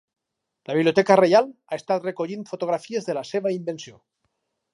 La Biblioteca Reial ha estat recollint fotografies de la seva invenció.